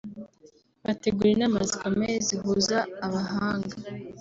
bategura inama zikomeye zihuza abahanga